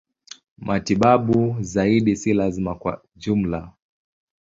Matibabu zaidi si lazima kwa ujumla.